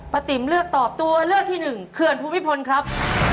ติ๋มเลือกตอบตัวเลือกที่หนึ่งเขื่อนภูมิพลครับ